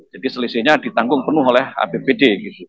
jadi selisihnya ditanggung penuh oleh apbd